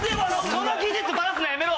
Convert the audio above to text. その技術バラすのやめろ！